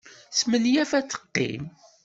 Tesmenyaf ad teqqim.